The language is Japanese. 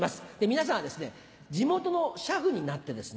皆さんは地元の車夫になってですね